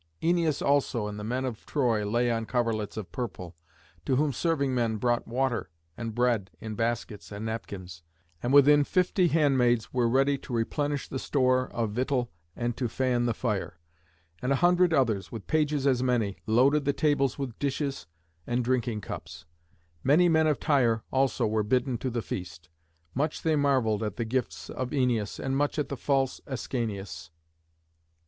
Æneas also and the men of Troy lay on coverlets of purple, to whom serving men brought water and bread in baskets and napkins; and within fifty handmaids were ready to replenish the store of victual and to fan the fire; and a hundred others, with pages as many, loaded the tables with dishes and drinking cups. Many men of Tyre also were bidden to the feast. Much they marvelled at the gifts of Æneas, and much at the false Ascanius.